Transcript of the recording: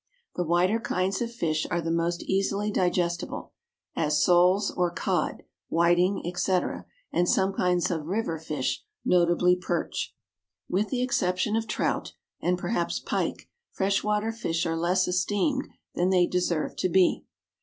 The whiter kinds of fish are the most easily digestible, as soles or cod, whiting, &c., and some kinds of river fish, notably perch. With the exception of trout and perhaps pike fresh water fish are less esteemed than they deserve to be.